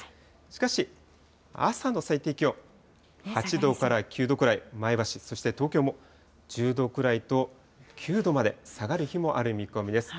しかし、朝の最低気温、８度から９度くらい、前橋、そして東京も１０度くらいと、９度まで下がる日もある見込みです。